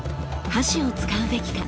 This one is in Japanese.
箸を使うべきか？